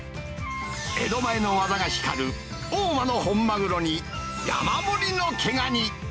江戸前の技が光る大間の本マグロに、山盛りの毛ガニ。